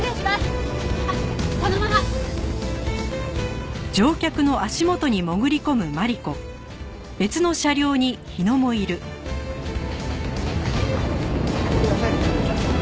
あっすいません。